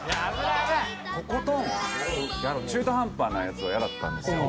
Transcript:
「とことん中途半端なやつは嫌だったんですよ」